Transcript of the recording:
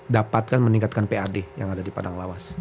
dapatkan meningkatkan pad yang ada di padang lawas